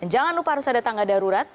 jangan lupa harus ada tangga darurat